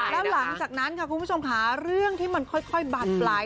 แล้วหลังจากนั้นคุณผู้ชมค่ะเรื่องที่ถึงที่ลิ่งค่อยบัดบลาย